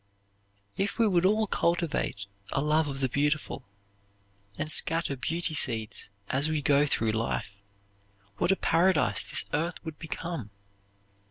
If we would all cultivate a love of the beautiful and scatter beauty seeds as we go through life, what a paradise this earth would become!